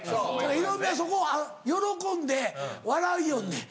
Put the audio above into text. ヒロミはそこを喜んで笑いよんねん。